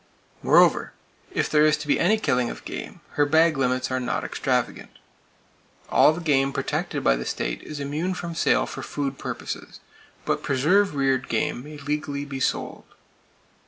Moreover, if there is to be any killing of game, her bag limits are not extravagant. All the game protected by the state is immune from sale for food purposes, but preserve reared game may legally be sold.